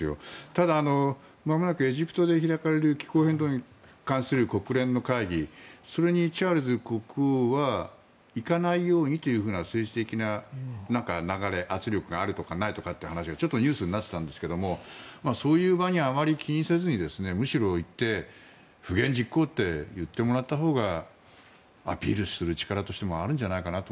ただまもなくエジプトで開かれる気候変動に関する国連の会議に、チャールズ国王は行かないようにという政治的な流れや圧力があるとかないとかという話がちょっとニュースになってたんですけどそういう場合にあまり気にせずにむしろ行って不言実行！って言ってもらったほうがアピールする力があるんじゃないかなと。